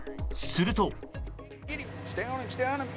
すると。